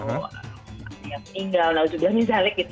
ada yang meninggal nah juga mizalik gitu